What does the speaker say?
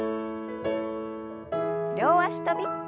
両脚跳び。